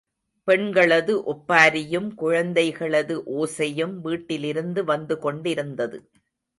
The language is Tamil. பெண்களது ஒப்பாரியும், குழந்தைகளது ஓசையும் வீட்டிலிருந்து வந்து கொண்டிருந்தது.